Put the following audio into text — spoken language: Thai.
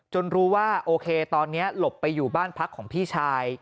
รู้ว่าโอเคตอนนี้หลบไปอยู่บ้านพักของพี่ชาย